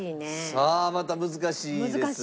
さあまた難しいです。